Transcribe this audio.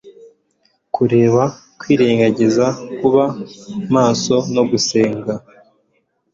Kubera kwirengagiza kuba maso no gusenga,